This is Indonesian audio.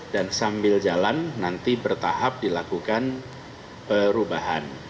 dan sambil jalan nanti bertahap dilakukan perubahan